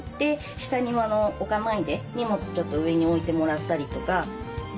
下に置かないで荷物ちょっと上に置いてもらったりとか。